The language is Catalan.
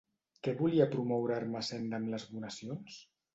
Què volia promoure Ermessenda amb les donacions?